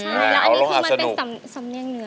คือมันเป็นสำเนี่ยงเหนือ